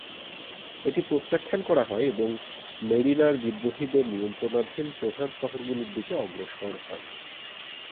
এটি প্রত্যাখ্যান করা হয় এবং মেরিনরা বিদ্রোহীদের নিয়ন্ত্রণাধীন প্রধান শহরগুলির দিকে অগ্রসর হয়।